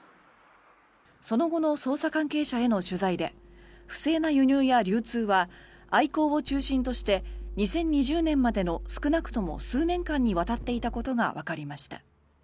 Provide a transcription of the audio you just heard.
その後の捜査関係者への取材で不正な輸入や流通はアイコーを中心として２０２０年までの少なくとも数年間に渡っていたことがわかりました。